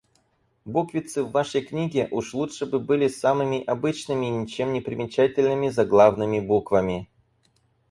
Буквицы в вашей книге уж лучше бы были самыми обычными ничем непримечательными заглавными буквами.